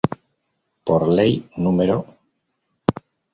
Por Ley No.